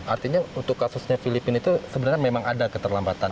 artinya untuk kasusnya filipina itu sebenarnya memang ada keterlambatan